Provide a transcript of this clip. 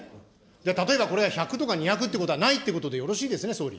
じゃ、例えばこれが１００とか２００とかはないということでよろしいですね、総理。